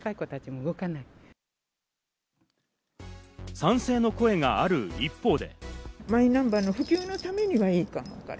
賛成の声がある一方で。